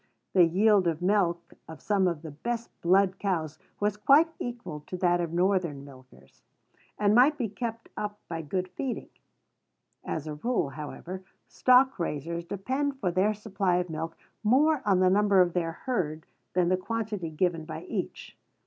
The yield of milk of some of the best blood cows was quite equal to that of Northern milkers, and might be kept up by good feeding. As a rule, however, stock raisers depend for their supply of milk more on the number of their herd than the quantity given by each.